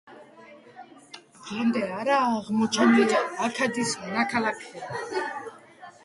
დღემდე არაა აღმოჩენილი აქადის ნაქალაქარი.